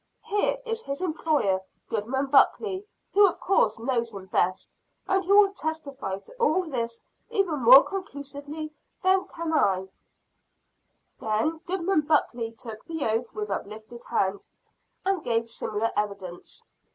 Here is his employer, Goodman Buckley, who of course knows him best, and who will testify to all this even more conclusively than I can." Then Goodman Buckley took the oath with uplifted hand, and gave similar evidence.